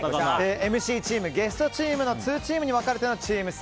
ＭＣチーム、ゲストチームの２チームに分かれてのチーム戦。